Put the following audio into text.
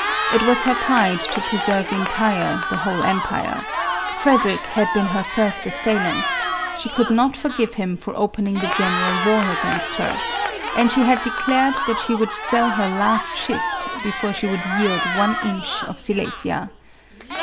It was her pride to preserve entire the whole empire ; Fred eric had been her first assailant ; she could not forgive him for opening the general war against her ; and she had declared that she would sell her last shift, before she would yield one inch of Silesia.